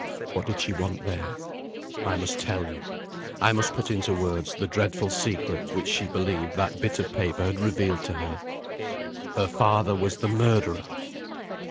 What did she want there? I must tell you; I must put into words the dreadful secret which she believed that bit of paper had revealed to her. Her father was the murderer!